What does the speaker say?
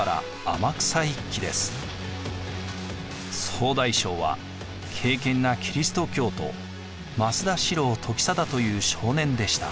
総大将は敬けんなキリスト教徒益田四郎時貞という少年でした。